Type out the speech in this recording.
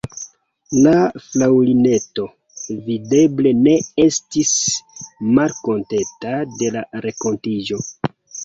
La fraŭlineto videble ne estis malkontenta de la renkontiĝo.